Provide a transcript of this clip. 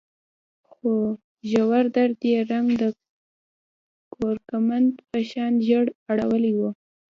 خو ژور درد يې رنګ د کورکمند په شان ژېړ اړولی و.